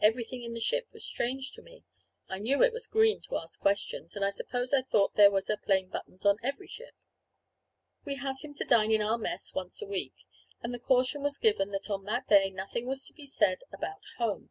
Everything in the ship was strange to me. I knew it was green to ask questions, and I suppose I thought there was a "Plain Buttons" on every ship. We had him to dine in our mess once a week, and the caution was given that on that day nothing was to be said about home.